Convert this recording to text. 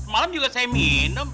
malem juga saya minum